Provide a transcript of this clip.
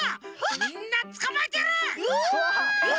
みんなつかまえてやる！